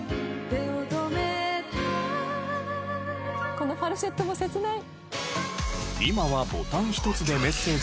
このファルセットも切ない。